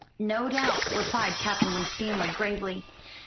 "No doubt," replied Captain Winstanley gravely.